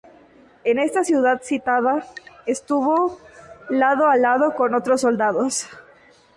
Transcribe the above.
En esta ciudad sitiada estuvo lado a lado con otros soldados.